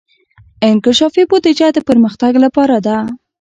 انکشافي بودجه د پرمختګ لپاره ده